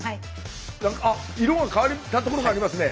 あっ色が変わったところがありますね。